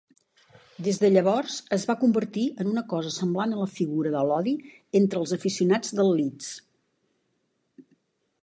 Des de llavors es va convertir en una cosa semblant a la figura de l'odi entre els aficionats del Leeds.